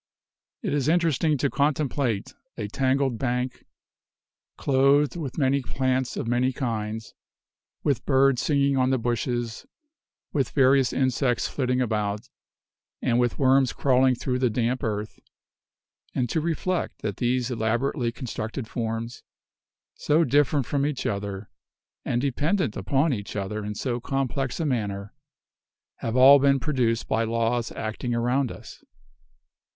"It is interesting to contemplate a tangled bank, clothed with many plants of many kinds, with birds singing on the bushes, with various insects flitting about, and with worms crawling through the damp earth, and to reflect that these elaborately constructed forms, so different from each other, and dependent upon each other in so complex a manner, have all been produced by laws acting around us.